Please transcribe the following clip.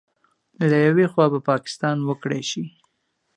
له یوې خوا به پاکستان وکړې شي